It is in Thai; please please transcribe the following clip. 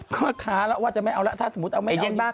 ก็ค้าแล้วว่าจะไม่เอาแล้วถ้าสมมุติเอาไม่เอา